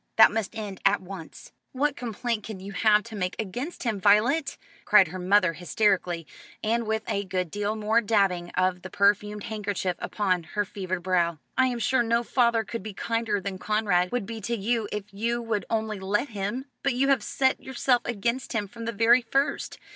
That must end at once." "What complaint can you have to make against him, Violet?" cried her mother hysterically, and with a good deal more dabbing of the perfumed handkerchief upon her fevered brow. "I am sure no father could be kinder than Conrad would be to you if you would only let him. But you have set yourself against him from the very first.